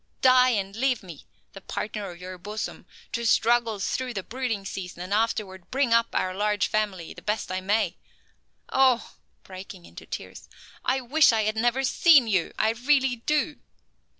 Die and leave me, the partner of your bosom, to struggle through the brooding season and afterward bring up our large family the best I may. Oh," breaking into tears, "I wish I had never seen you, I really do."